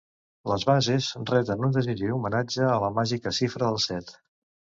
Les bases reten un decisiu homenatge a la màgica xifra del set.